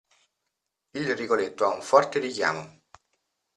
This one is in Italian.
Il Rigoletto ha un forte richiamo.